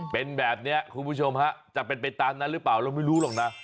เป็นแบบนี้คุณผู้ชมฮะจะเป็นไปตามนั้นหรือเปล่าเราไม่รู้หรอกนะ